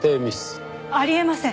あり得ません！